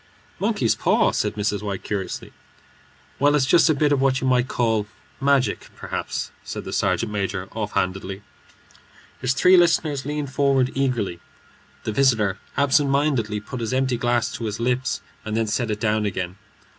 "Monkey's paw?" said Mrs. White, curiously. "Well, it's just a bit of what you might call magic, perhaps," said the sergeant major, offhandedly. His three listeners leaned forward eagerly. The visitor absent mindedly put his empty glass to his lips and then set it down again.